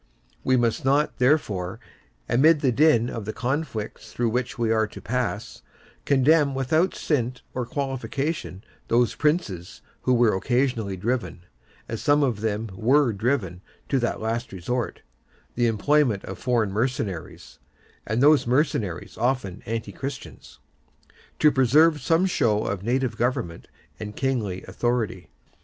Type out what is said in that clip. We must not, therefore, amid the din of the conflicts through which we are to pass, condemn without stint or qualification those Princes who were occasionally driven—as some of them were driven—to that last resort, the employment of foreign mercenaries (and those mercenaries often anti Christians,) to preserve some show of native government and kingly authority.